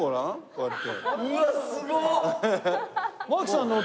うわすごっ！